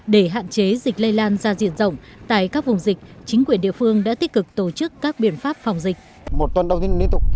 để hạn chế dịch lây lan ra diện rộng tại các vùng dịch chính quyền địa phương đã tích cực tổ chức các biện pháp phòng dịch